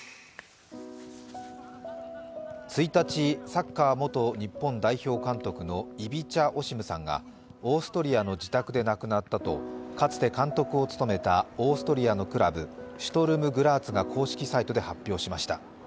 １日、サッカー元日本代表監督のイビチャ・オシムさんがオーストリアの自宅で亡くなったとかつて監督を務めたオーストリアのクラブシュトルム・グラーツが公式サイトで発表しました。